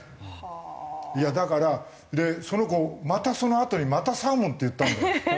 いやだからその子そのあとにまた「サーモン」って言ったんだよ。